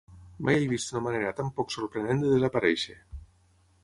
Mai he vist una manera tan poc sorprenent de desaparèixer.